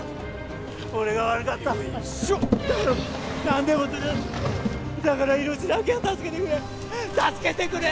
俺が悪かったよいしょ何でもするだから命だけは助けてくれ助けてくれ！